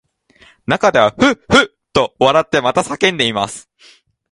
中ではふっふっと笑ってまた叫んでいます